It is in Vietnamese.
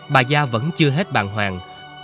bà gia vẫn chưa hết bàn hoàng